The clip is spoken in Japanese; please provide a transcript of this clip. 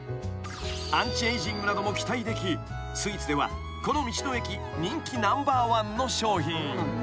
［アンチエイジングなども期待できスイーツではこの道の駅人気ナンバーワンの商品］